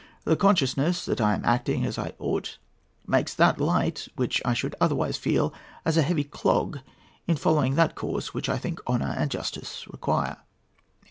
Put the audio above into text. The consciousness that I am acting as I ought makes that light which I should otherwise feel as a heavy clog in following that course which I think honour and justice require."